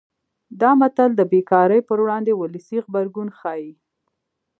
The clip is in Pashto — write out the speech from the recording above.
دا متل د بې کارۍ پر وړاندې ولسي غبرګون ښيي